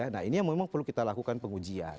nah ini yang memang perlu kita lakukan pengujian